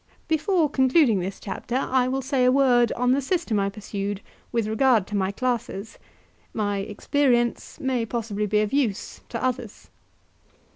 Before concluding this chapter I will say a word on the system I pursued with regard to my classes: my experience may possibly be of use to others.